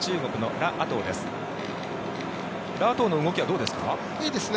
ラ・アトウの動きはどうですか？